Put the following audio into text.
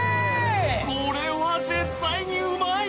これは絶対にうまい！